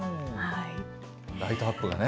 ライトアップがね。